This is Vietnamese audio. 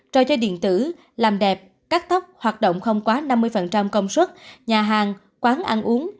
trò chơi điện tử làm đẹp cắt tóc hoạt động không quá năm mươi công suất nhà hàng quán ăn uống